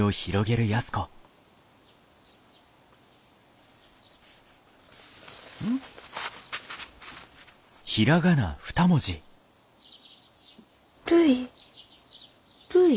るい？